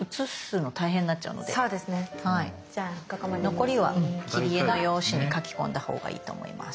残りは切り絵の用紙に描き込んだほうがいいと思います。